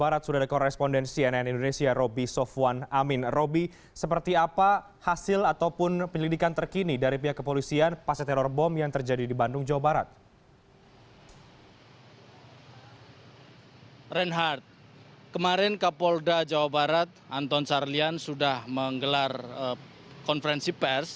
reinhardt kemarin kapolda jabar anton carlyan sudah menggelar konferensi pers